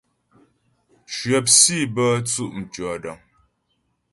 Cwəp sǐ bə́ tsʉ' mtʉ̂ɔdəŋ.